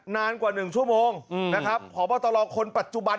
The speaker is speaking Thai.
นานกว่า๑ชั่วโมงนะครับพบตรคนปัจจุบัน